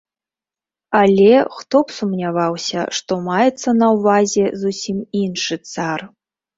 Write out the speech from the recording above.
Але, хто б сумняваўся, што маецца на ўвазе зусім іншы цар.